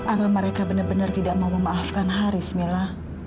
apa mereka benar benar tidak mau memaafkan haris milla